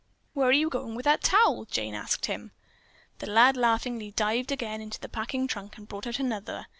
"Where are you going with that towel?" Jane asked him. The lad laughingly dived again into the packing trunk and brought out another.